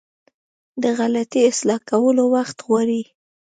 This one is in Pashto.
د غلطي اصلاح کول وخت غواړي.